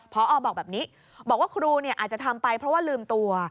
พอบอกแบบนี้บอกว่าครูอาจจะทำไปเพราะว่าลืมตัว